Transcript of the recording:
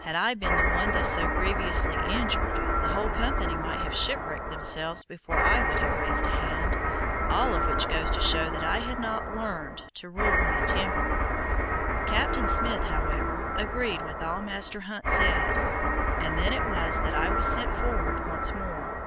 Had I been the one thus so grievously injured, the whole company might have shipwrecked themselves before I would have raised a hand, all of which goes to show that I had not learned to rule my temper. Captain Smith, however, agreed with all Master Hunt said, and then it was that I was sent forward once more.